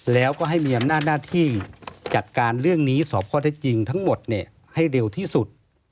แล้วก็ให้มีอำนาจหน้าที่จัดการเรื่องนี้สอบข้อได้จริงทั้งหมดให้เร็วที่สุด